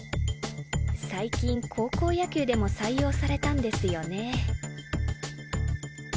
最近高校野球でも採用されたんですよね。